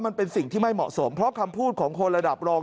มันเป็นสิ่งที่ไม่เหมาะสมเพราะคำพูดของคนระดับรอง